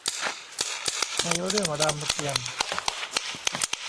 ในเรื่องรามเกียรติ์